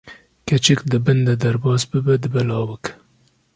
keçik di bin de derbas bibe dibe lawik!